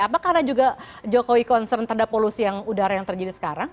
apa karena juga jokowi concern terhadap polusi udara yang terjadi sekarang